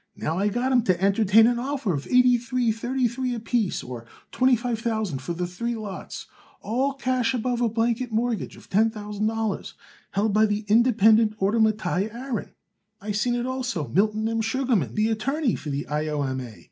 Now I got 'em to entertain an offer of eighty three thirty three apiece, or twenty five thousand for the three lots, all cash above a blanket mortgage of ten thousand dollars held by the Independent Order Mattai Aaron. I seen it also Milton M. Sugarman, the attorney for the I. O. M. A.